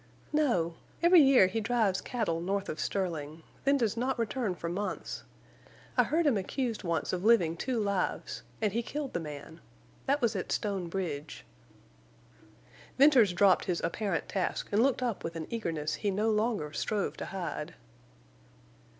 "No. Every year he drives cattle north of Sterling—then does not return for months. I heard him accused once of living two lives—and he killed the man. That was at Stone Bridge." Venters dropped his apparent task and looked up with an eagerness he no longer strove to hide.